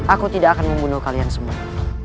aku tidak akan membunuh kalian semua